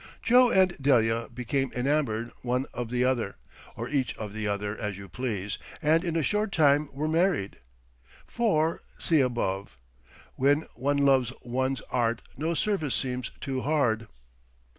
Joe and Delia became enamoured one of the other, or each of the other, as you please, and in a short time were married—for (see above), when one loves one's Art no service seems too hard.